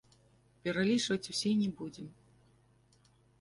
Пералічваць усе не будзем.